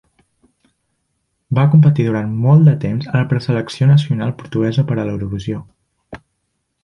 Va competir durant molt de temps a la preselecció nacional portuguesa per a l'Eurovisió.